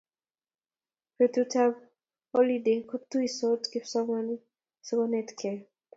betutab oliday ko tuisot kipsomaninik sikonetkei